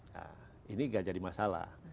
nah ini gak jadi masalah